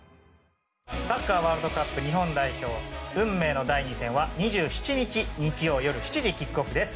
サッカーワールドカップ日本代表運命の第２戦は２７日日曜夜７時キックオフです。